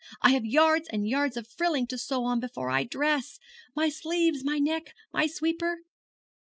I have yards and yards of frilling to sew on before I dress my sleeves my neck my sweeper.'